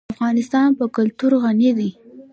افغانستان په کلتور غني دی.